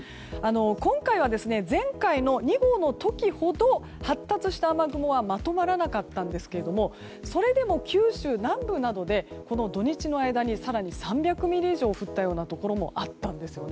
今回は、前回の２号の時ほど発達した雨雲はまとまらなかったんですけどもそれでも九州南部などで土日の間に、３００ミリ以上降ったところもあったんです。